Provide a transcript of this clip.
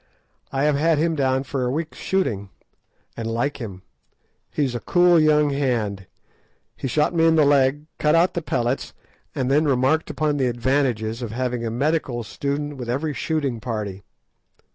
I have had him down for a week's shooting, and like him. He is a cool young hand; he shot me in the leg, cut out the pellets, and then remarked upon the advantages of having a medical student with every shooting party!